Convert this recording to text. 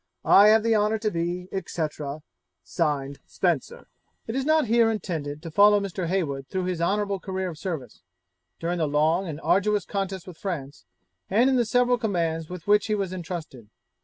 I have the honour to be, etc. (Signed) SPENCER.' It is not here intended to follow Mr. Heywood through his honourable career of service, during the long and arduous contest with France, and in the several commands with which he was entrusted.